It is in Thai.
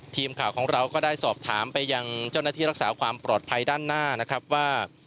ทีมข่าวของเราก็ได้สอบถามไปยังเจ้าหน้าที่รักษาความปลอดภัยด้านหน้านะครับว่า